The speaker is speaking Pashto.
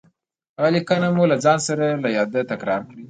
هغه ليکنه مو له ځان سره له يادو تکرار کړئ.